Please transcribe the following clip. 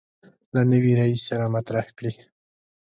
له نوي رئیس سره مطرح کړي.